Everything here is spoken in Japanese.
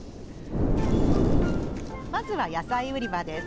まずは、野菜売り場です。